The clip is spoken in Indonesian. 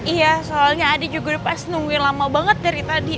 iya soalnya adi juga pas nungguin lama banget dari tadi